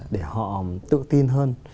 để họ tự tin hơn